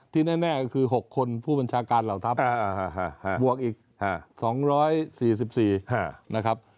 แน่ก็คือ๖คนผู้บัญชาการเหล่าทัพบวกอีก๒๔๔นะครับ